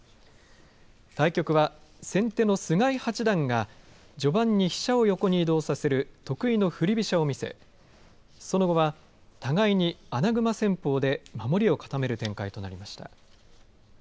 対局は先手の菅井八段が序盤に飛車を横に移動させる得意の振り飛車を見せその後は互いに穴熊戦法で守りを固める展開となりました。